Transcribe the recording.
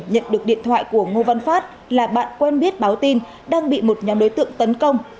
nhận được điện thoại của ngô văn phát là bạn quen biết báo tin đang bị một nhóm đối tượng tấn công